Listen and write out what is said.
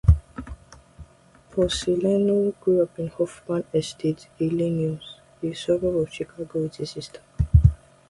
Porcellino grew up in Hoffman Estates, Illinois, a suburb of Chicago, with his sister.